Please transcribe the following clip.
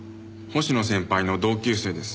星野先輩の同級生です。